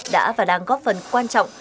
đã và đang góp phần quan trọng